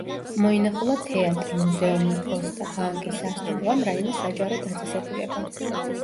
მოინახულა თეატრი, მუზეუმი, ფოსტა, ბანკი, სასტუმრო, ან რაიმე საჯარო დაწესებულება.